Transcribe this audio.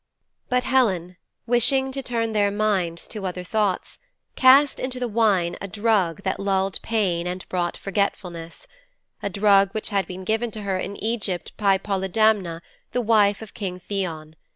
But Helen, wishing to turn their minds to other thoughts, cast into the wine a drug that lulled pain and brought forgetfulness a drug which had been given to her in Egypt by Polydamna, the wife of King Theon.